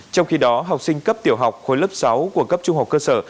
trong khi đó học sinh cấp tiểu học khối lớp sáu của cấp trung học cơ sở